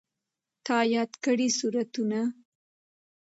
تا یاد کړي سورتونه